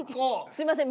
すいません。